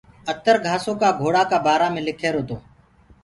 اتر گھآسو ڪآ گھوڙآ ڪآ بآرآ مي لکرهيرو تو۔